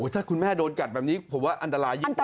ถ้าคุณแม่โดนกัดแบบนี้ผมว่าอันตรายยิ่งกว่า